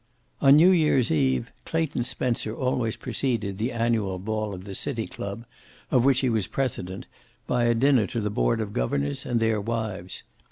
On New year's Eve Clayton Spencer always preceded the annual ball of the City Club, of which he was president, by a dinner to the board of governors and their wives.